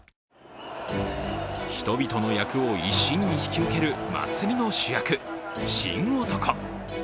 人々の厄を一身に引き受ける祭りの主役、神男。